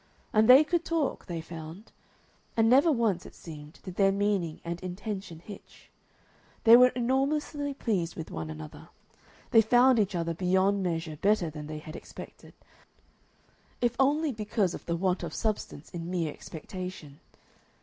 And they could talk, they found; and never once, it seemed, did their meaning and intention hitch. They were enormously pleased with one another; they found each other beyond measure better than they had expected, if only because of the want of substance in mere expectation.